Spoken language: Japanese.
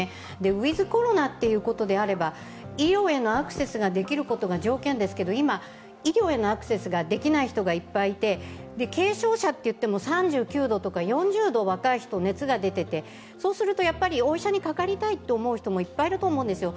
ウィズ・コロナということであれば医療へのアクセスができることが条件ですが今、医療へのアクセスができない人がいっぱいいて軽症者といっても３９度とか４０度、若い人は熱が出ていてそうするとお医者にかかりたいと思う人もいっぱいいると思うんですよ。